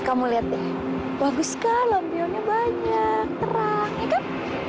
kamu lihat nih bagus kah lampionnya banyak terang ya kan